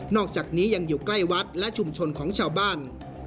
อกจากนี้ยังอยู่ใกล้วัดและชุมชนของชาวบ้าน